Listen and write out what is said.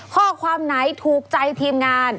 ข้อความไหนถูกใจทีมงาน